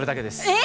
え